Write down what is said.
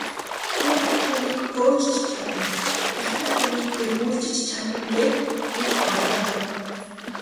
Хүүхэн хүнийг хөөж ч чадна, эхнэр хүнийг эргүүлж ч чадна гээд гэж бардамнана.